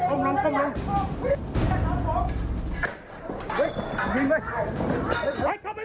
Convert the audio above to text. ออกมาแล้วออกมาแล้ว